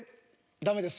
「ダメです」。